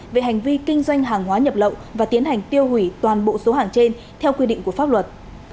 về hành vi kinh doanh hàng hóa nhập lậu và tiến hành tiêu hủy toàn bộ số hàng trên theo quy định của pháp luật